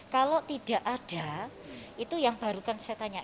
kalau tidak ada itu yang baru kan saya tanya